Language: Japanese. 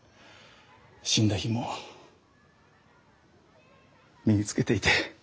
死んだ日も身に着けていて。